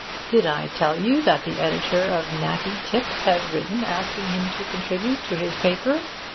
Did I tell you that the editor of Natty Tips has written asking him to contribute to his paper?